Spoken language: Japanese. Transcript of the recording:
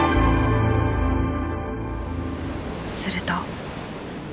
すると。